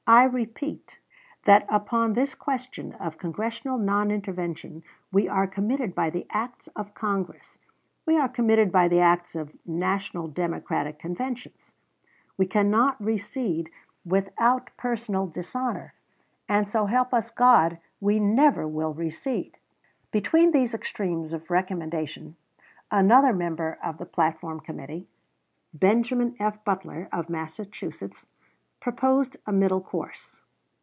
"I repeat, that upon this question of Congressional non intervention we are committed by the acts of Congress, we are committed by the acts of National Democratic Conventions; we cannot recede without personal dishonor, and, so help us God, we never will recede!" Between these extremes of recommendation another member of the platform committee Benjamin F. Butler, of Massachusetts proposed a middle course.